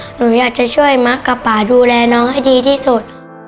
หนูอยากจะช่วยมักกับป่าดูแลน้องให้ดีที่สุด